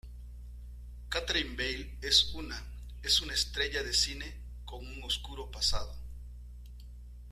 Kathryn Vale es una es una estrella de cine con un oscuro pasado.